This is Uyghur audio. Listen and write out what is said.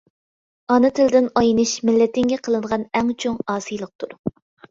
ئانا تىلدىن ئاينىش مىللىتىڭگە قىلىنغان ئەڭ چوڭ ئاسىيلىقتۇر.